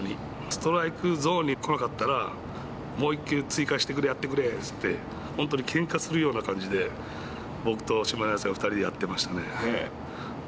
ストライクゾーンに来なかったらもう１球追加してくれやってくれって本当にけんかするような感じで僕と下柳さん２人でやってましたね。